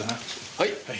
はい。